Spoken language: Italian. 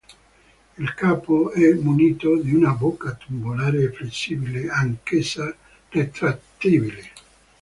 Il capo è munito di una bocca tubolare e flessibile, anch'essa retraibile.